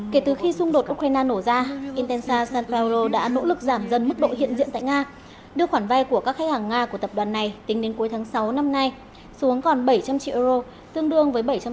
kể từ khi xung đột ukraine nổ ra intensa sa paolo đã nỗ lực giảm dần mức độ hiện diện tại nga đưa khoản vai của các khách hàng nga của tập đoàn này tính đến cuối tháng sáu năm nay xuống còn bảy trăm linh triệu euro tương đương với bảy trăm sáu mươi tám tám triệu euro